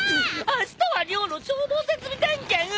あしたは寮の消防設備点検！